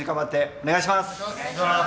お願いします。